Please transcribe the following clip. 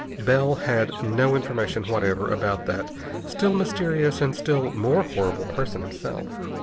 Bell had no information whatever about that still mysterious and still more horrible person himself.